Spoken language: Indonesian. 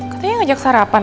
katanya ngajak sarapan